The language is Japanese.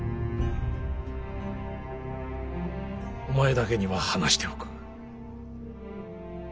お前だけには話しておく。